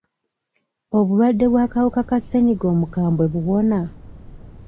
Obulwadde bw'akawuka ka ssenyiga omukambwe buwona?